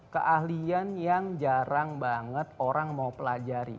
keahlian yang jarang banget orang mau pelajari